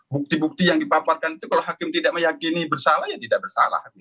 bukti bukti yang dipaparkan itu kalau hakim tidak meyakini bersalah ya tidak bersalah